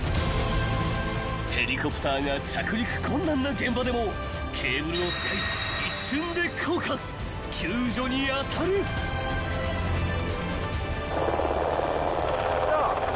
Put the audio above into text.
［ヘリコプターが着陸困難な現場でもケーブルを使い一瞬で降下救助に当たる］来た。